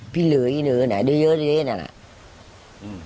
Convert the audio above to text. พี่เหลยเนื้อไหนเดี๋ยวเยอะเดี๋ยวเดี๋ยวเนี่ยน่ะอืม